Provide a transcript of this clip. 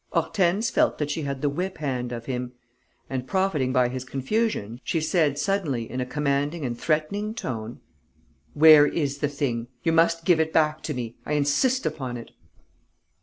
Hortense felt that she had the whip hand of him; and, profiting by his confusion, she said, suddenly, in a commanding and threatening tone: "Where is the thing? You must give it back to me. I insist upon it."